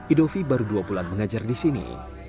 idovi baru dua bulan mengajar di sini